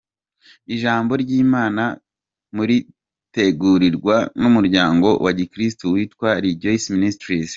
Ijambo ry’Imana muriteguriwa n’Umuryango wa Gikristu witwa Rejoice Ministries.